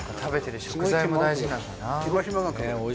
食べてる食材も大事なんだな。